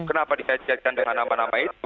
kenapa dikaitkan dengan nama nama itu